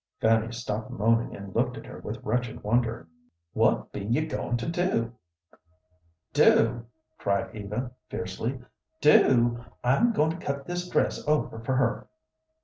Fanny stopped moaning and looked at her with wretched wonder. "What be you goin' to do?" "Do?" cried Eva, fiercely "do? I'm goin' to cut this dress over for her."